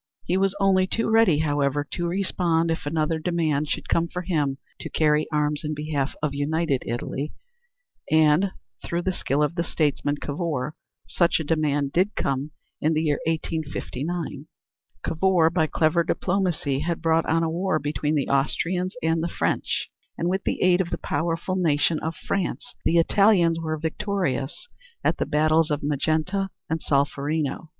He was only too ready, however, to respond if another demand should come for him to carry arms in behalf of United Italy, and through the skill of the statesman, Cavour, such a demand did come in the year 1859. Cavour, by clever diplomacy, had brought on a war between the Austrians and the French and with the aid of the powerful nation of France the Italians were victorious at the battles of Magenta and Solferino.